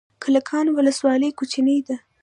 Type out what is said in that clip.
کلکان ولسوالۍ کوچنۍ ده؟